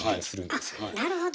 あっなるほど！